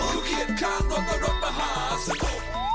ฮิวเขียดข้างเขาก็รสประหาสุด